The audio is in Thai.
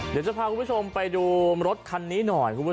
เดี๋ยวเราก็พาคุณผู้ชมไปดูรถคันนี้หน่อย